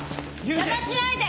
邪魔しないで！